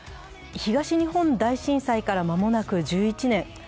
東日本大震災から間もなく１１年。